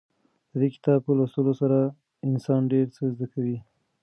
د دې کتاب په لوستلو سره انسان ډېر څه زده کوي.